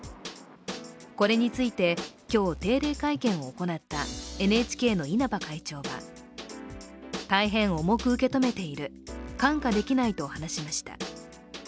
これについて今日、定例会見を行ったＮＨＫの稲葉会長は大変重く受け止めている、看過できないと話しました。